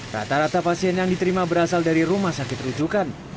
rata rata pasien yang diterima berasal dari rumah sakit rujukan